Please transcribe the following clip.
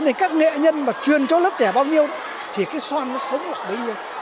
nghệ nhân mà truyền cho lớp trẻ bao nhiêu thì cái xoan nó sống được bấy nhiêu